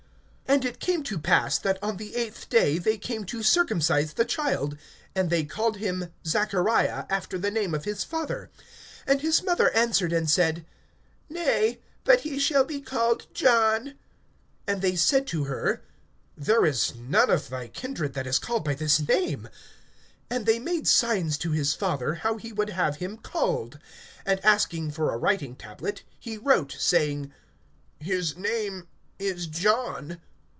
(59)And it came to pass, that on the eighth day they came to circumcise the child; and they called him Zachariah, after the name of his father. (60)And his mother answered and said: Nay; but he shall be called John. (61)And they said to her: There is none of thy kindred that is called by this name. (62)And they made signs to his father, how he would have him called. (63)And asking for a writing tablet, he wrote, saying: His name is John.